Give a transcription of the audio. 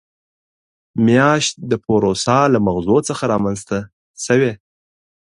میاشت د پوروسا له مغزو څخه رامنځته شوې.